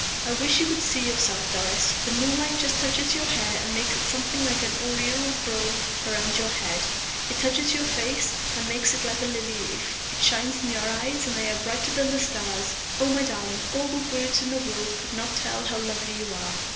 I wish you could see yourself, Doris. The moonlight just touches your hair, and makes it something like an aureole of glory round your head; it touches your face, and makes it like a lily leaf; it shines in your eyes, and they are brighter than the stars. Oh, my darling, all the words in the world could not tell how lovely you are!"